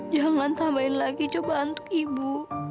jangan tambahin lagi cobaan untuk ibu